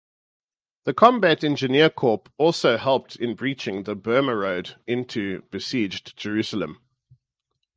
The Combat Engineering Corps also helped in breaching the "Burma Road" into besieged Jerusalem.